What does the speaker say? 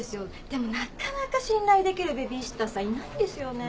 でもなかなか信頼できるベビーシッターさんいないんですよね。